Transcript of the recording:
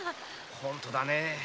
本当だね。